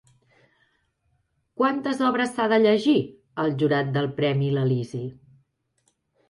Quantes obres s'ha de llegir el jurat del premi l'Elisi?